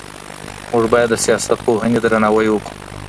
موږ باید د سیاست پوهنې درناوی وکړو.